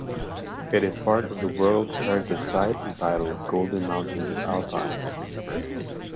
It is part of the World Heritage Site entitled Golden Mountains of Altai.